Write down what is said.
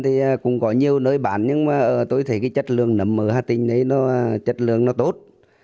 thì cũng có nhiều nơi bán nhưng mà tôi thấy cái chất lượng nấm ở hà tĩnh đấy nó chất lượng nó tốt